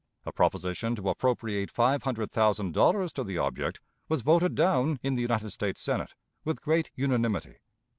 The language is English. A proposition to appropriate five hundred thousand dollars to the object was voted down in the United States Senate with great unanimity.